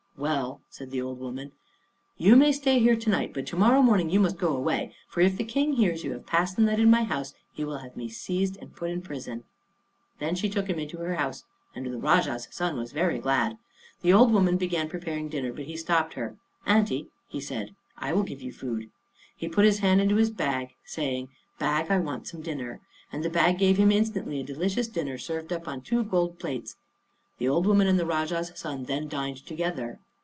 "Well," said that old woman, "you may stay here to night; but to morrow morning you must go away, for if the King hears you have passed the night in my house, he will have me seized and put into prison." Then she took him into her house, and the Rajah's son was very glad. The old woman began preparing dinner, but he stopped her. "Aunty," he said, "I will give you food." He put his hand into his bag, saying, "Bag, I want some dinner," and the bag gave him instantly a delicious dinner, served up on two gold plates. The old woman and the Rajah's son then dined together.